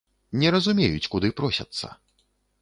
Не разумеюць, куды просяцца.